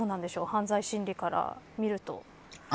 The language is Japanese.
犯罪心理から見ると。